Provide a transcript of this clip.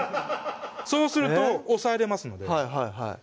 そうすると押さえれますのではい